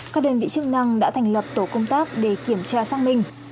các đơn vị chức năng đã thành lập tổ công tác để kiểm tra xác minh